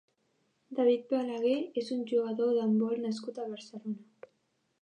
David Balaguer és un jugador d'handbol nascut a Barcelona.